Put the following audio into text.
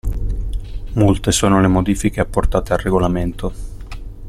Molte sono le modifiche apportate al regolamento.